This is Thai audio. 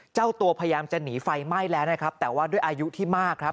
เจ้าตัวพยายามจะหนีไฟไหม้แล้วนะครับแต่ว่าด้วยอายุที่มากครับ